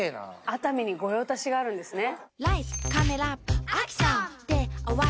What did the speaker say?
熱海に御用達があるんですね。